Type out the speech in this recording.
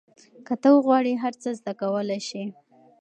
که ته وغواړې هر څه زده کولای سې.